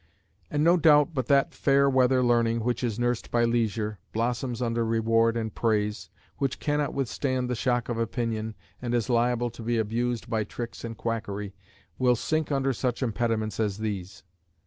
And no doubt but that fair weather learning which is nursed by leisure, blossoms under reward and praise, which cannot withstand the shock of opinion, and is liable to be abused by tricks and quackery, will sink under such impediments as these.